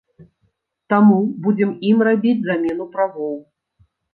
Таму будзем ім рабіць замену правоў.